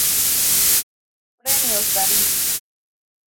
Premios David.